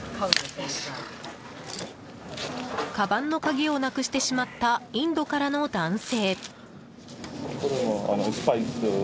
かばんの鍵をなくしてしまったインドからの男性。